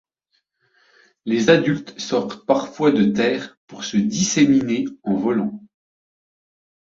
Les adultes sortent parfois de terre pour se disséminer en volant.